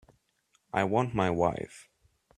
I want my wife.